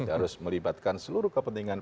harus melibatkan seluruh kepentingan